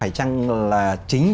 hãy chăng là chính